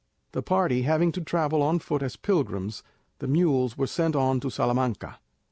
The party having to travel on foot as pilgrims, the mules were sent on to Salamanca.